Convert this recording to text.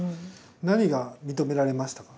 何が認められましたか？